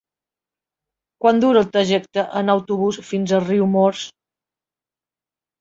Quant dura el trajecte en autobús fins a Riumors?